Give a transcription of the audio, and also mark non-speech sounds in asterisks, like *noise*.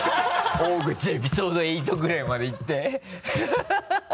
大口エピソード８ぐらいまでいって *laughs*